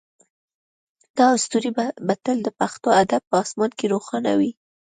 دا ستوری به تل د پښتو ادب په اسمان کې روښانه وي